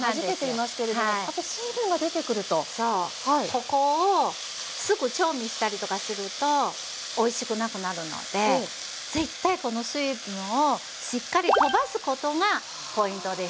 ここをすぐ調味したりとかするとおいしくなくなるので絶対この水分をしっかりとばすことがポイントです。